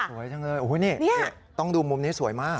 สวยจังเลยโอ้โหนี่ต้องดูมุมนี้สวยมาก